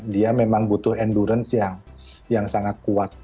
dia memang butuh endurance yang sangat kuat